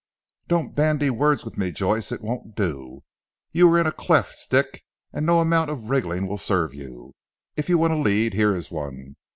"Don't bandy words with me Joyce. It won't do. You are in a cleft stick and no amount of wriggling will serve you. If you want a lead here is one.